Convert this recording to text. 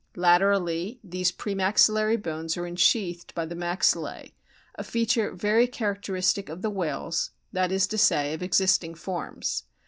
Laterally these pre maxillary bones are ensheathed by the maxillae, a feature very characteristic of the whales, that is to say, of existing forms.